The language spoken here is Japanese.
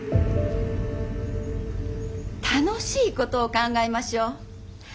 楽しいことを考えましょう。